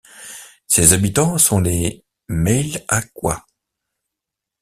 Ses habitants sont les Mailhacois.